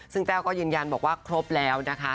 ซึ่งแต้วก็ยืนยันบอกว่าครบแล้วนะคะ